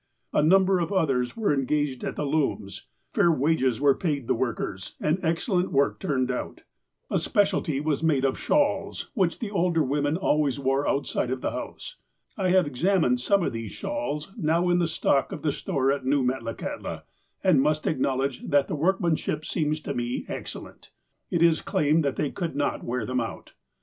A number of others were en gaged at the looms, fair wages were paid the workers, and excellent work turned out. A specialty was made of HOME AGAIN 231 shawls, whicli the older women always wore outside of the house. I have examined some of these shawls now in the stock of the store at new Metlakahtla, and must acknowledge that the workmanship seems to me excellent. It is claimed that they could not wear them out.